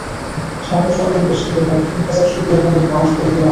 ঢাকা শহরের বস্তিতে প্রায় তিন হাজার সুপেয় পানির পয়েন্ট তৈরি করা হবে।